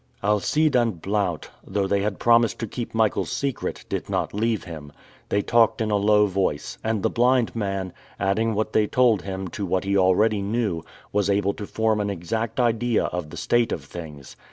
Alcide and Blount, though they had promised to keep Michael's secret, did not leave him. They talked in a low voice, and the blind man, adding what they told him to what he already knew, was able to form an exact idea of the state of things.